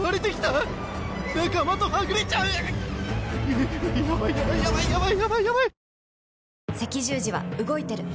やばいやばいやばいやばいやばいやばい！